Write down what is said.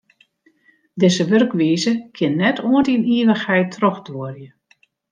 Dizze wurkwize kin net oant yn ivichheid trochduorje.